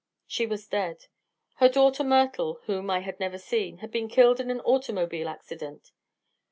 She was dead. Her daughter Myrtle, whom I had never seen, had been killed in an automobile accident.